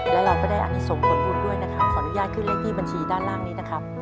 และเราก็ได้อันนี้ส่งผลบุญด้วยนะครับขออนุญาตขึ้นเลขที่บัญชีด้านล่างนี้นะครับ